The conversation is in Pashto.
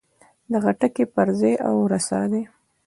دغه ټکی پر ځای او رسا دی.